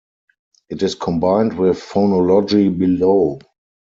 It is combined with phonology below.